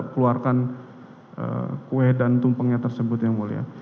keluarkan kue dan tumpengnya tersebut yang mulia